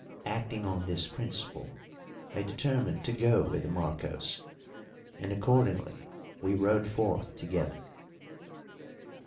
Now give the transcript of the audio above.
Acting on this principle, I determined to go with Marcos, and accordingly we rode forth together.